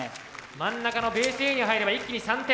真ん中のベースＡに入れば一気に３点。